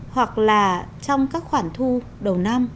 hoặc là trong các khoản thu đầu năm